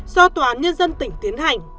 do tòa nhân dân tỉnh tiến hành